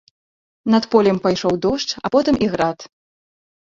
Над полем пайшоў дождж, а потым і град.